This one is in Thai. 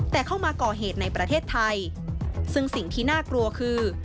แต่เข้ามาก่อเหตุในประเทศไทยซึ่งสิ่งที่น่ากลัวคือ